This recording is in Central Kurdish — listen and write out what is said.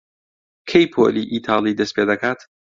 کەی پۆلی ئیتاڵی دەست پێ دەکات؟